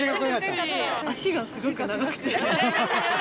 足がすごく長くて。